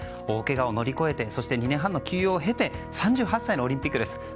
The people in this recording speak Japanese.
大けがを乗り越えて２年半の休養を経て３８歳のオリンピックです。